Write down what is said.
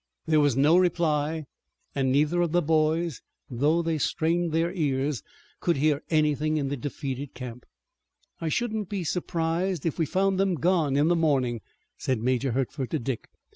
There was no reply and neither of the boys, although they strained ears, could hear anything in the defeated camp. "I shouldn't be surprised if we found them gone in the morning," said Major Hertford to Dick.